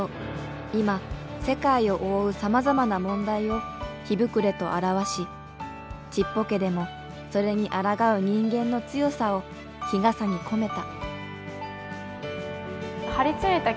今世界を覆うさまざまな問題を「火ぶくれ」と表しちっぽけでもそれにあらがう人間の強さを「日傘」に込めた。